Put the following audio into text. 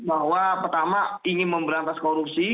bahwa pertama ingin memberantas korupsi